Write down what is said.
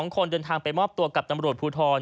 คนเดินทางไปมอบตัวกับตำรวจภูทร